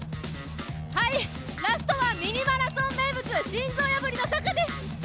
ラストはミニマラソン名物、心臓破りの坂です。